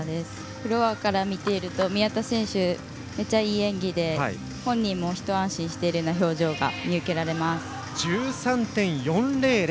フロアから見ていると宮田選手、めっちゃいい演技で本人も一安心しているような表情が見受けられます。１３．４００。